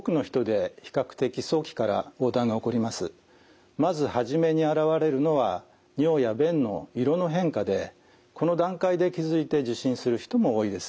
胆管がんではまず初めに現れるのは尿や便の色の変化でこの段階で気付いて受診する人も多いです。